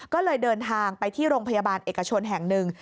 ก็เลยเดินทางไปที่โรงพยาบาลเอกชนแห่งหนึ่ง